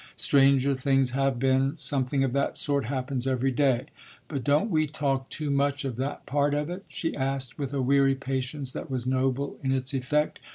Stranger things have been something of that sort happens every day. But don't we talk too much of that part of it?" she asked with a weary patience that was noble in its effect.